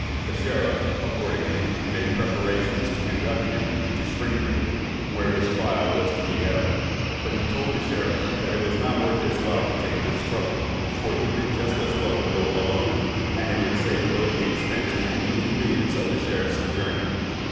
The sheriff accordingly made preparations to conduct him to Springfield, where his trial was to be held; but he told the sheriff that it was not worth his while to take this trouble, for he could just as well go alone, and it would save both the expense and inconvenience of the sheriff's journey.